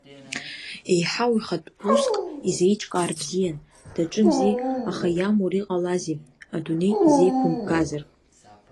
Еиҳау ихатә уск изеиҿкаар бзиан, даҿымзи, аха иамур иҟалази, адунеи изеиқәымбгазар?!